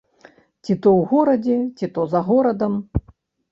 Ці то ў горадзе, ці то за горадам.